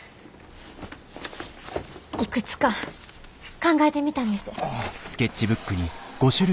いくつか考えてみたんです。